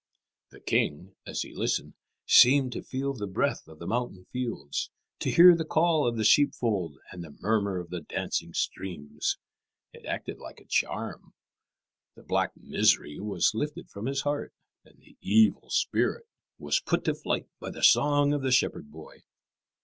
The king, as he listened, seemed to feel the breath of the mountain fields, to hear the call of the sheepfold and the murmur of the dancing streams. It acted like a charm. The black misery was lifted from his heart, and the evil spirit was put to flight by the song of the shepherd boy.